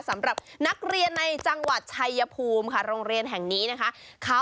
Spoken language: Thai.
สำหรับนักเรียนในจังหวัดชัยภูมิค่ะโรงเรียนแห่งนี้นะคะ